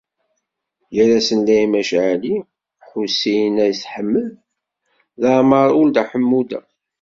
Gar-asen Laymac Ɛli, Ḥusin Ayt Ḥmed d Ɛemmar Uld Ḥemmuda.